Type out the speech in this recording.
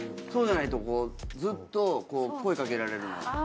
そうじゃないとずっと声かけられる。